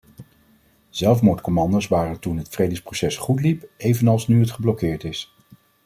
Zelfmoordcommando's waren er toen het vredesproces goed liep evenals nu het geblokkeerd is.